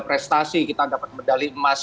prestasi kita dapat medali emas